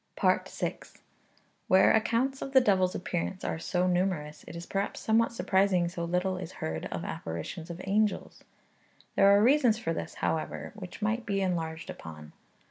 VI. Where accounts of the devil's appearance are so numerous, it is perhaps somewhat surprising so little is heard of apparitions of angels. There are reasons for this, however, which might be enlarged upon.